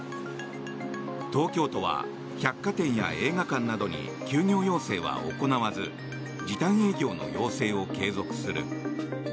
東京都は百貨店や映画館などに休業要請は行わず時短営業の要請を継続する。